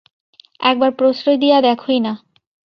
একবার প্রশ্রয় দিয়া দেখোই-না।